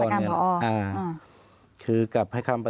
รักษาการพอ